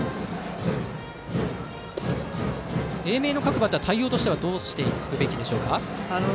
英明の各バッターは対応としてはどうしていくべきですか。